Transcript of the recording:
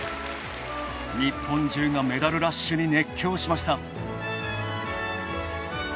日本中がメダルラッシュに熱狂しました。